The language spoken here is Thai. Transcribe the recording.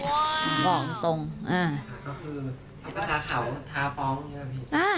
ก็คือถ้าประทาข่าวถ้าฟ้องนี่นี่นะ